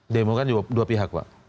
demo kan juga dua pihak pak